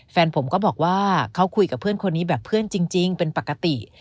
แฟนผมก็บอกว่าเขาคุยกับเพื่อนคนนี้แบบเพื่อนจริงเป็นปกติ